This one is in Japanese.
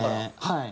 はい。